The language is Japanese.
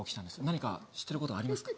何か知ってることはありますか。